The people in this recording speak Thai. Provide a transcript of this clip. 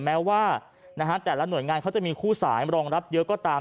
แม้ว่าแต่ละหน่วยงานเขาจะมีคู่สายรองรับเยอะก็ตาม